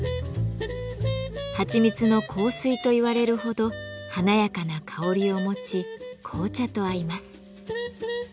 「はちみつの香水」と言われるほど華やかな香りを持ち紅茶と合います。